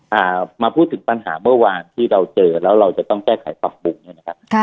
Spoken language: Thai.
ถ้ามาพูดถึงปัญหาเมื่อวานที่เราเจอแล้วเราจะต้องแก้ไขต่อบุค